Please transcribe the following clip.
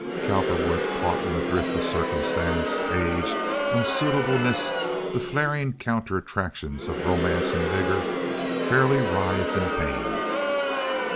Cowperwood, caught in the drift of circumstance—age, unsuitableness, the flaring counter attractions of romance and vigor—fairly writhed in pain.